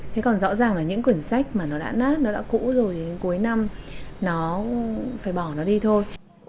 thế còn rõ ràng là những quyển sách mà nó đã nát nó đã cũ rồi đến cuối năm nó phải bỏ nó đi thôi